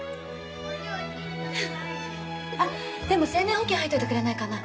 あっでも生命保険入っといてくれないかな。